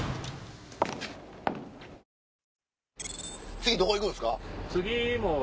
次どこ行くんすか？